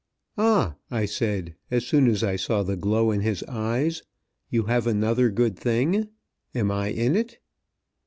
"Ah," I said, as soon as I saw the glow in his eyes, "you have another good thing? Am I in it?"